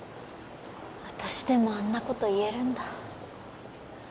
私でもあんなこと言えるんだ。